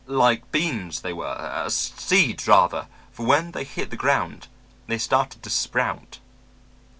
Like beans, they were; seeds, rather; for when they hit the ground they started to sprout."